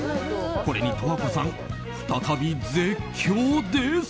これに十和子さん、再び絶叫です。